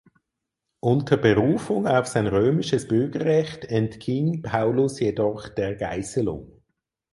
Unter Berufung auf sein römisches Bürgerrecht entging Paulus jedoch der Geißelung.